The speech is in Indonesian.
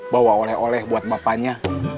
bawa oleh oleh buat bapaknya